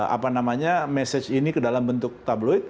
apa namanya message ini ke dalam bentuk tabloid